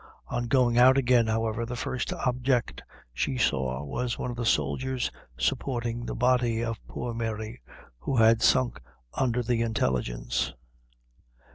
On going out again, however, the first object she saw was one of the soldiers supporting the body of poor Mary, who had sunk under the intelligence.